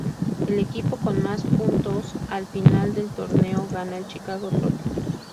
El equipo con más puntos al final del torneo, gana el Chicago Trophy.